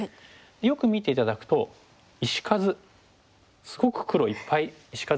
よく見て頂くと石数すごく黒いっぱい石数使ってますよね。